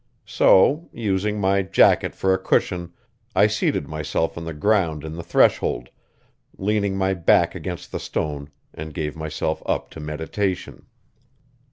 So, using my jacket for a cushion, I seated myself on the ground in the threshold, leaning my back against the stone, and gave myself up to meditation.